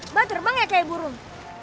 mbak terbang ya kayak burung